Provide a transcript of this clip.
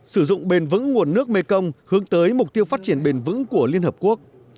sử dụng bền vững nguồn nước mekong hướng tới mục tiêu phát triển bền vững của liên hợp quốc